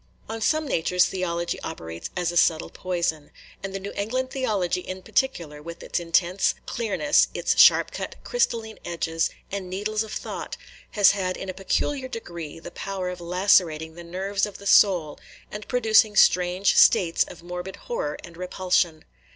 On some natures theology operates as a subtle poison; and the New England theology in particular, with its intense clearness, its sharp cut crystalline edges and needles of thought, has had in a peculiar degree the power of lacerating the nerves of the soul, and producing strange states of morbid horror and repulsion.